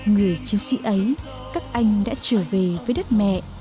người chiến sĩ ấy các anh đã trở về với đất mẹ